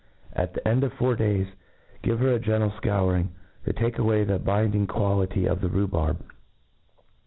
At the end of four days, give her a gentle fcouring, to take a.way the binding quality of the rhubarb.